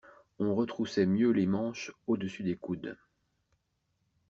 On retroussait mieux les manches au-dessus des coudes.